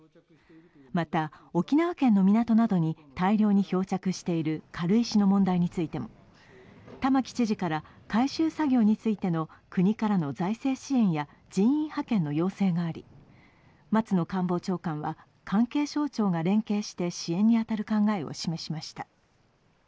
また、沖縄県の港などに大量に漂着している軽石の問題についても玉城知事から回収作業についての国からの財政支援や人員派遣の要請があり、松野官房長官は、関係省庁が連携して支援に当たる考えを示しました。